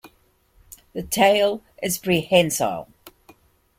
The tail is prehensile.